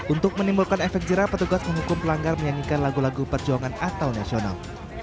untuk menimbulkan efek jerah petugas menghukum pelanggar menyanyikan lagu lagu perjuangan atau nasional